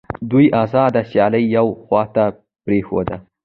دوی آزاده سیالي یوې خواته پرېښوده